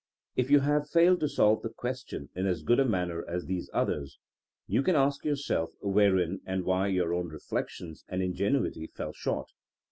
If you have failed to solve the question in as good a manner as these others, you can ask yourself wherein and why your own reflections and ingenuity fell short.